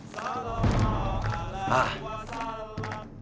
salam allah allah muhammad